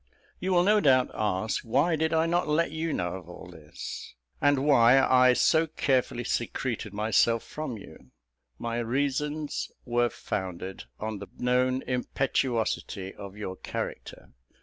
"You will no doubt ask, why did I not let you know all this? and why I so carefully secreted myself from you? My reasons were founded on the known impetuosity of your character.